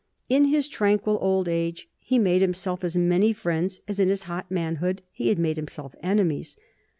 In his tranquil old age he made himself as many friends as in his hot manhood he had made himself enemies.